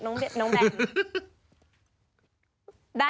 น้องแบม